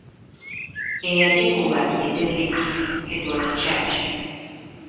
Eyagikuba ye David Edward Church.